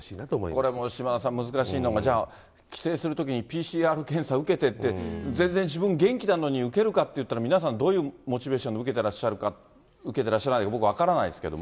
これも島田さん、難しいのが、じゃあ、帰省するときにＰＣＲ検査受けてって全然自分元気なのに、受けるかっていったら、皆さんどういうモチベーションで受けてらっしゃるか、受けてらっしゃらないか、僕分からないですけれども。